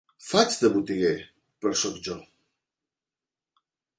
Faig de botiguer, però soc jo.